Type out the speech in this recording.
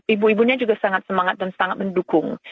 ibu ibunya juga sangat semangat dan sangat mendukung